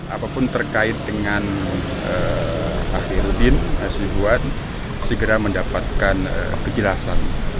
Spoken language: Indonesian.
apapun terkait dengan pak herudin sejujuran segera mendapatkan kejelasan